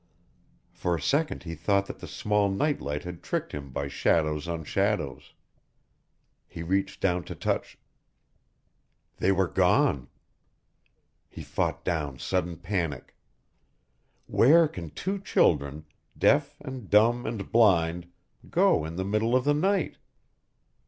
For a second he thought that the small night light had tricked him by shadows on shadows. He reached down to touch ... They were gone. He fought down sudden panic. Where can two children, deaf and dumb and blind go in the middle of the night?